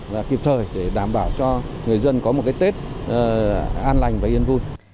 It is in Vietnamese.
và kịp thời để đảm bảo cho người dân có một cái tết an lành và yên vui